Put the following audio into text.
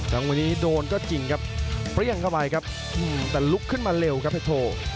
จังหวะนี้โดนก็จริงครับเปรี้ยงเข้าไปครับแต่ลุกขึ้นมาเร็วครับเพชรโท